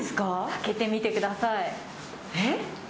開けてみてください。